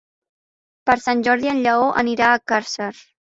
Per Sant Jordi en Lleó anirà a Càrcer.